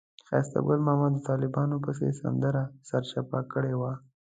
ښایسته ګل ماما د طالبانو پسې سندره سرچپه کړې وه.